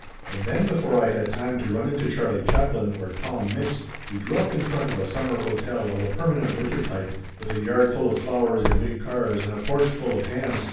And then before I had time to run into Charlie Chaplin or Tom Mix we drew up in front of a summer hotel of a permanent winter type, with a yard full of flowers and big cars, and a porch full of hams.